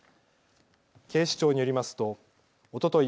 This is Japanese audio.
警視庁によりますとおととい